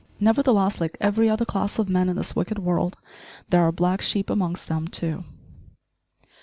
Nevertheless, like every other class of men in this wicked world, there are black sheep amongst them too.